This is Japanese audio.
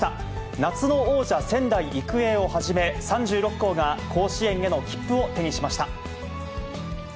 夏の王者、仙台育英をはじめ、３６校が甲子園への切符を手にしました。